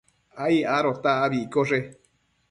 ai adota abi iccoshe